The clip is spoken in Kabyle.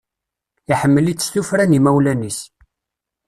Iḥemmel-itt s tuffra n yimawlan-is.